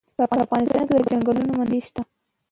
په افغانستان کې د چنګلونه منابع شته.